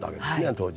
当時。